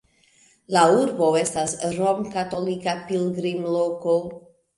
La urbo estas romkatolika pilgrimloko.